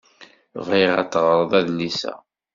Bɣiɣ ad teɣreḍ adlis-a.